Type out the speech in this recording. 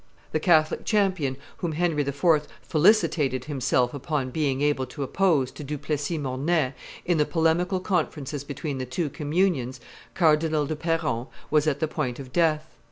The Catholic champion whom Henry IV. felicitated himself upon being able to oppose to Du Plessis Mornay in the polemical conferences between the two communions, Cardinal de Perron, was at the point of death.